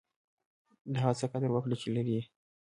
د هغه څه قدر وکړئ، چي لرى يې.